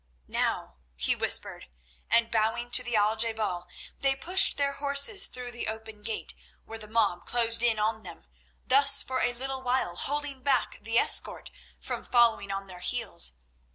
"Now," he whispered, and bowing to the Al je bal, they pushed their horses through the open gate where the mob closed in on them, thus for a little while holding back the escort from following on their heels.